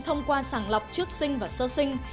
thông qua sàng lọc trước sinh và sơ sinh